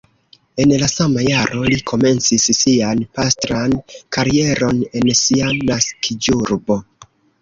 En la sama jaro li komencis sian pastran karieron en sia naskiĝurbo.